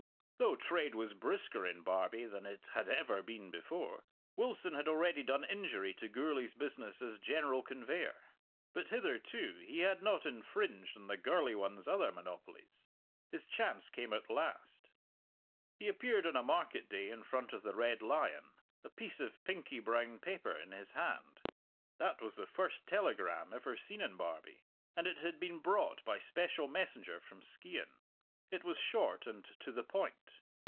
Though trade was brisker in Barbie than it had ever been before, Wilson had already done injury to Gourlay's business as general conveyor. But, hitherto, he had not infringed on the gurly one's other monopolies. His chance came at last. He appeared on a market day in front of the Red Lion, a piece of pinky brown paper in his hand. That was the first telegram ever seen in Barbie, and it had been brought by special messenger from Skeighan. It was short and to the point.